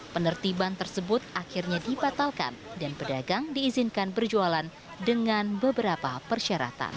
penertiban tersebut akhirnya dibatalkan dan pedagang diizinkan berjualan dengan beberapa persyaratan